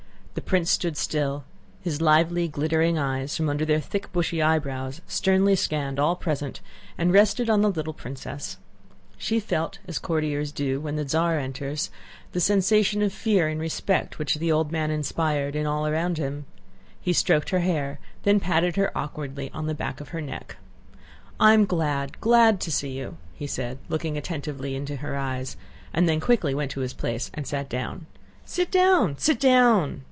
The prince stood still; his lively glittering eyes from under their thick, bushy eyebrows sternly scanned all present and rested on the little princess. She felt, as courtiers do when the Tsar enters, the sensation of fear and respect which the old man inspired in all around him. He stroked her hair and then patted her awkwardly on the back of her neck. "I'm glad, glad, to see you," he said, looking attentively into her eyes, and then quickly went to his place and sat down. "Sit down, sit down!